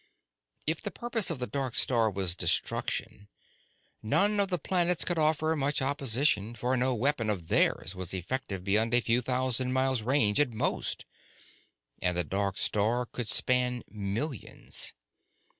If the purpose of the dark star was destruction, none of the planets could offer much opposition, for no weapon of theirs was effective beyond a few thousand miles range at most and the dark star could span millions.